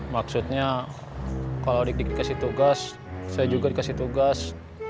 maksudnya kalau dikasih tugas saya juga dikasih tugas